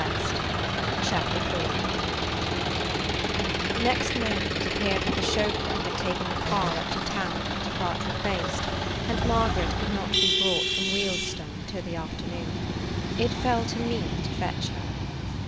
[Page 81] CHAPTER IV NEXT morning it appeared that the chauffeur had taken the car up to town to get a part replaced, and Margaret could not be brought from Wealdstone till the afternoon. It fell to me to fetch her.